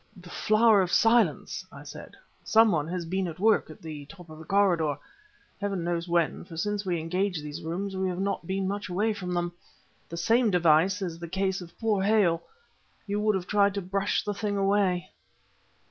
"The Flower of Silence!" I said; "some one has been at work in the top corridor.... Heaven knows when, for since we engaged these rooms we have not been much away from them ... the same device as in the case of poor Hale.... You would have tried to brush the thing away